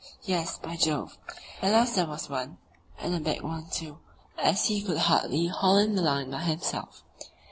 Yes, by Jove! at last there was one, and a big one, too, as he could hardly haul in the line by himself.